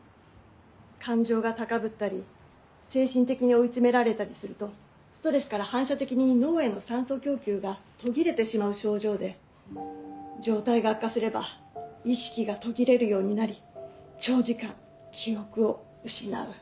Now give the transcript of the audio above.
感情が高ぶったり精神的に追い詰められたりするとストレスから反射的に脳への酸素供給が途切れてしまう症状で状態が悪化すれば意識が途切れるようになり長時間記憶を失う。